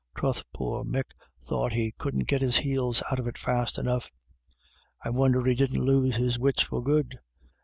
Troth, poor Mick thought he couldn't git his heels out of it fast enough. I wonder he didn't lose his wits for good.